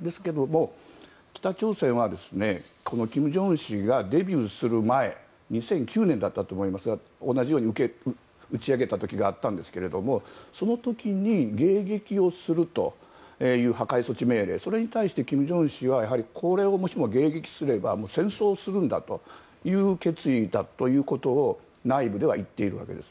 ですけども、北朝鮮は金正恩氏がデビューする前２００９年だったと思いますが同じように打ち上げた時があったんですけれどもその時に、迎撃をするという破壊措置命令それに対して金正恩氏はこれをもしも迎撃すれば戦争をするんだという決意だということを内部では言っているわけです。